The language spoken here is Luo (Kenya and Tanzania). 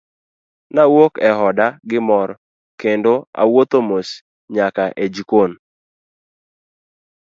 Nawuok e oda gi mor kendo awuotho mos nyaka e jikon.